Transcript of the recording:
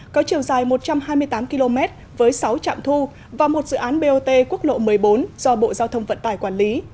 có chiều dài một trăm hai mươi tám km với sáu trạm thu và một dự án bot quốc lộ một mươi bốn do bộ giao thông vận tải quản lý